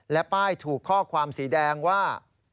และป้ายถูกข้อความสีแดงว่า